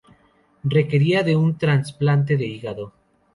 Requería de un trasplante de hígado.